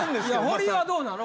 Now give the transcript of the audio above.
ホリはどうなの？